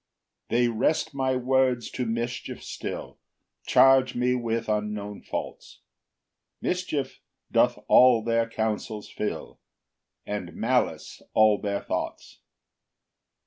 4 They wrest my words to mischief still, Charge me with unknown faults; Mischief doth all their councils fill, And malice all their thoughts.